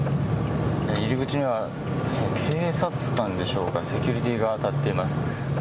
入り口には警察官でしょうか、セキュリティーが立っています。